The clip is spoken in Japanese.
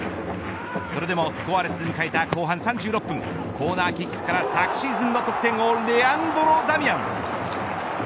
それでもスコアレスで迎えた後半３６分コーナーキックから昨シーズンの得点王、レアンドロ・ダミアン。